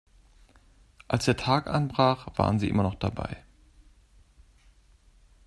Als der Tag anbrach waren sie immer noch dabei.